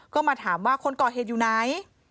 ก็มาถามว่าคนก่อเหตุอยู่ไหน